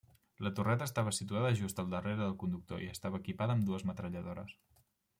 La torreta estava situada just al darrere del conductor i estava equipada amb dues metralladores.